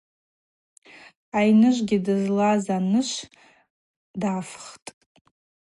Айныжвгьи дызлаз анышв дафхтӏ.